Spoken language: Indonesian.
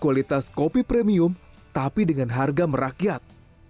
kualitas kopi premium tapi dengan harga merakyat